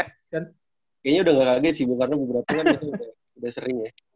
kayaknya udah gak kaget sih karena beberapa kali udah sering ya